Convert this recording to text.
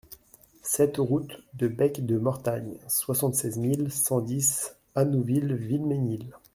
sept route de Bec de Mortagne, soixante-seize mille cent dix Annouville-Vilmesnil